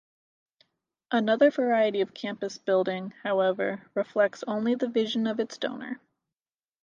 Another variety of campus building, however, reflects only the vision of its donor.